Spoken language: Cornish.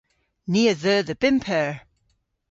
Ni a dheu dhe bymp eur.